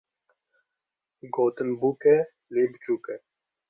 Gotin bûk e, lê biçûk e.